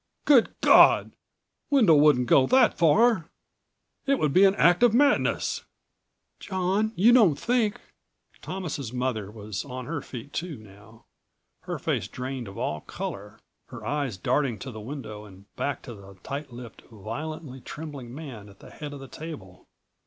Good God! Wendel wouldn't go that far! It would be an act of madness!" "John, you don't think " Thomas' mother was on her feet too now, her face drained of all color, her eyes darting to the window and back to the tight lipped, violently trembling man at the head of the table.